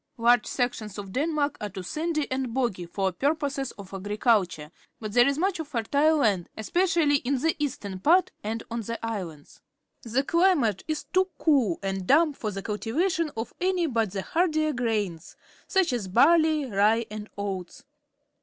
— Large sections of Denmark are too sandy and boggy for purposes of agriculture, but there is much fertile land, especially in the eastern part and on the islands. The climate is too cool and damp for the cultivation of any but the hardier grains, such as barley, rye, and oats.